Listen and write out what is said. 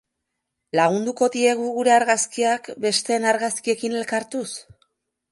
Lagunduko diegu gure argazkiak besteen argazkiekin elkartuz?